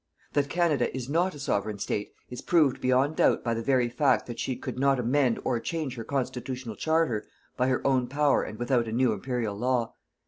That Canada is not a Sovereign State is proved beyond doubt by the very fact that she could not amend or change her constitutional charter by her own power and without a new Imperial law.